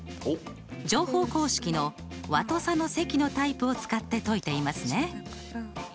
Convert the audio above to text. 乗法公式の和と差の積のタイプを使って解いていますね。